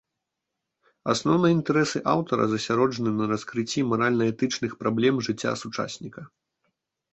Асноўныя інтарэсы аўтара засяроджаны на раскрыцці маральна-этычных праблем жыцця сучасніка.